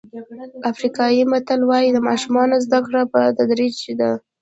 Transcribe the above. افریقایي متل وایي د ماشومانو زده کړه په تدریج ده.